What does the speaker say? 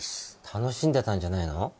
楽しんでたんじゃないの？